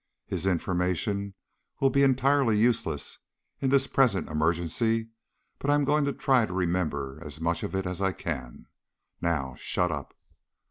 His information will be entirely useless in this present emergency, but I'm going to try to remember as much of it as I can. Now shut up."